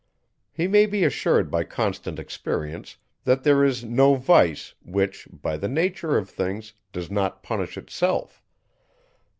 He may be assured by constant experience, that there is no vice, which, by the nature of things, does not punish itself.